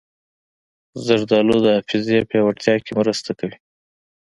زردالو د حافظې پیاوړتیا کې مرسته کوي.